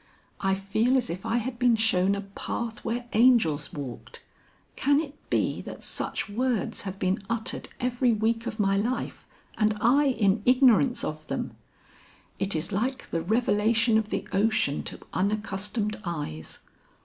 I feel as if I had been shown a path where angels walked. Can it be that such words have been uttered every week of my life and I in ignorance of them? It is like the revelation of the ocean to unaccustomed eyes.